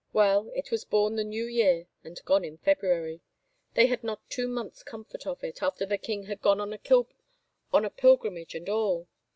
Well, it was bom the New Year and gone in February. They had not two months' com fort of it — after the king had gone on a pilgrimage and all!